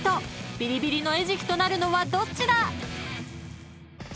［ビリビリの餌食となるのはどっちだ⁉］